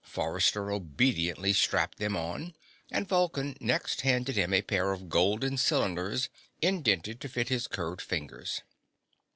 Forrester obediently strapped them on, and Vulcan next handed him a pair of golden cylinders indented to fit his curved fingers.